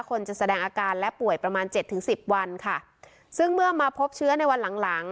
คนจะแสดงอาการและป่วยประมาณเจ็ดถึงสิบวันค่ะซึ่งเมื่อมาพบเชื้อในวันหลังหลัง